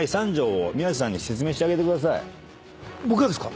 僕がですか？